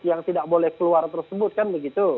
yang tidak boleh keluar tersebut kan begitu